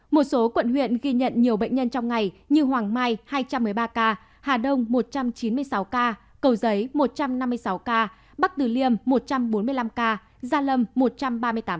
một số quận huyện ghi nhận nhiều bệnh nhân trong ngày như hoàng mai hai trăm một mươi ba ca hà đông một trăm chín mươi sáu ca cầu giấy một trăm năm mươi sáu ca bắc tử liêm một trăm bốn mươi năm ca gia lâm một trăm ba mươi tám ca